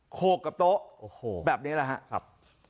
โขกกับโต๊ะโอ้โหแบบนี้แหละครับ